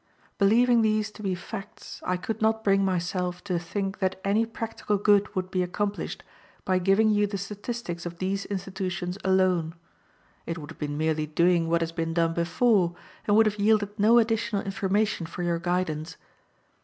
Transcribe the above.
"Believing these to be facts, I could not bring myself to think that any practical good would be accomplished by giving you the statistics of these institutions alone. It would have been merely doing what has been done before, and would have yielded no additional information for your guidance.